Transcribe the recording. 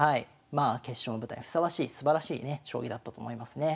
まあ決勝の舞台にふさわしいすばらしいね将棋だったと思いますね。